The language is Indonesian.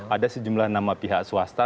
ada sejumlah nama pihak swasta